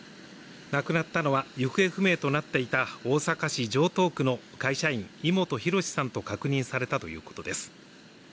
亡くなったのは行方不明となっていた大阪市城東区の会社員、井本浩さんと確認されたということです。